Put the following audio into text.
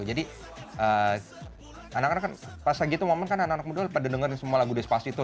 jadi anak anak kan pas lagi itu momen kan anak anak muda pada dengerin semua lagu di espasi itu